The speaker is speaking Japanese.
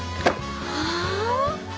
ああ！